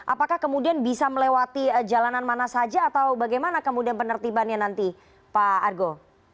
apakah kemudian bisa melewati jalanan mana saja atau bagaimana kemudian penertibannya nanti pak argo